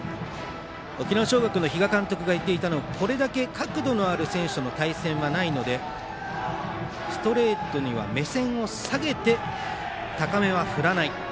沖縄尚学の比嘉監督が言っていたのはこれだけ角度のある選手の対戦はないのでストレートには目線を下げて高めは振らない。